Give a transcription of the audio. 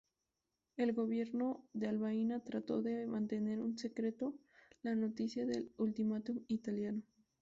El gobierno de Albania trató de mantener en secreto la noticia del ultimátum italiano.